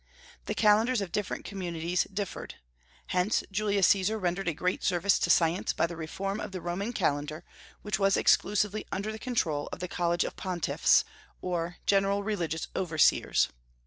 The calendars of different communities differed. Hence Julius Caesar rendered a great service to science by the reform of the Roman calendar, which was exclusively under the control of the college of pontiffs, or general religious overseers.